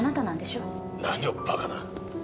何をバカな！